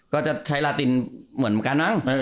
ก็จะใช้ลาตินเหมือนกันมั้ง